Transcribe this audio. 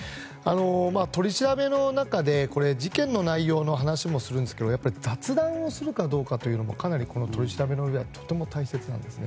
取り調べの中で事件の内容の話もするんですが雑談をするかどうかもかなり、取り調べではとても大切なんですね。